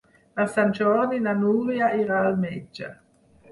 Per Sant Jordi na Núria irà al metge.